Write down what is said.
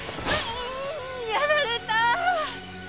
やられた！